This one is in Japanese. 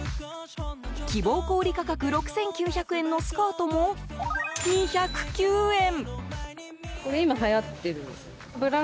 希望小売価格６９００円のスカートも、２０９円。